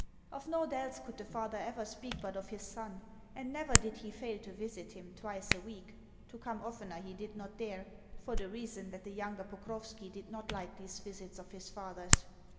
Of naught else could the father ever speak but of his son, and never did he fail to visit him twice a week. To come oftener he did not dare, for the reason that the younger Pokrovski did not like these visits of his father's.